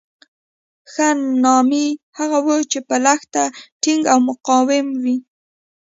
ښه نامي هغه وو چې په لښته ټینګ او مقاوم وو.